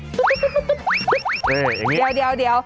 เดี๋ยวเดี๋ยวเดี๋ยวเดี๋ยวเดี๋ยวเดี๋ยว